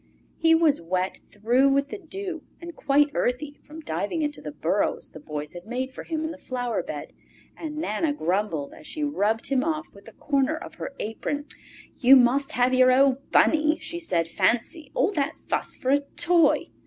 He was wet through with the dew and quite earthy from diving into the burrows the Boy had made for him in the flower bed, and Nana grumbled as she rubbed him off with a corner of her apron. Spring Time "You must have your old Bunny!" she said. "Fancy all that fuss for a toy!"